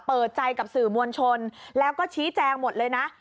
เปิดใจกับสื่อมวลชนแล้วก็ชี้แจงหมดเลยนะ